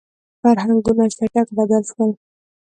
• فرهنګونه چټک بدل شول.